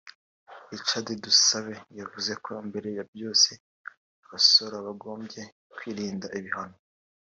Richard Tusabe yavuze ko mbere ya byose abasora bakagombye kwirinda ibihano